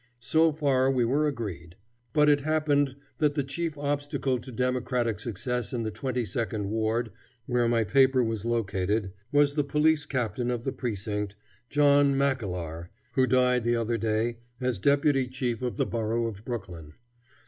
So far we were agreed. But it happened that the chief obstacle to Democratic success in the Twenty second Ward, where my paper was located, was the police captain of the precinct, John Mackellar, who died the other day as Deputy Chief of the Borough of Brooklyn.